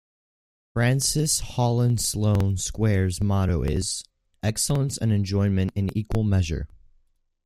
Francis Holland Sloane Square's motto is: 'Excellence and Enjoyment in Equal Measure'.